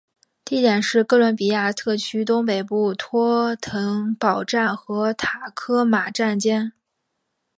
地点是哥伦比亚特区东北部托腾堡站和塔科马站间。